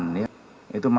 dan yang d yaitu penertipan